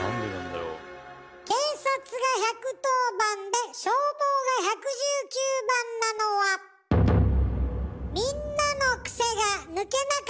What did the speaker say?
警察が１１０番で消防が１１９番なのはみんなのクセが抜けなかったから。